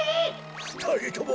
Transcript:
ふたりとも